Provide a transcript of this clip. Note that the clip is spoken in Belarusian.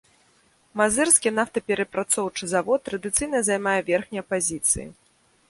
Мазырскі нафтаперапрацоўчы завод традыцыйна займае верхнія пазіцыі.